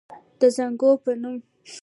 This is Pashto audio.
د زانګو پۀ نوم